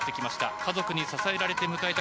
家族に支えられて迎えた